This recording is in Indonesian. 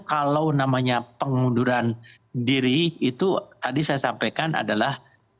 kalau namanya pengunduran diri itu tadi saya sampaikan adalah